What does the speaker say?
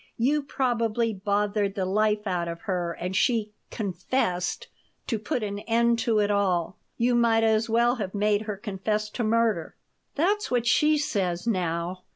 "You probably bothered the life out of her and she 'confessed' to put an end to it all. You might as well have made her confess to murder." "That's what she says now.